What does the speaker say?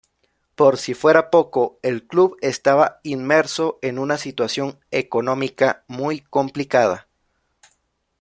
Por si fuera poco, el club estaba inmerso en una situación económica muy complicada.